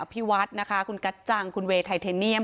อภิวัฒร์นะคะคุณกัตจังคุณเวทไทเทเนียม